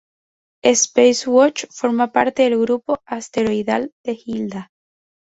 Spacewatch forma parte del grupo asteroidal de Hilda.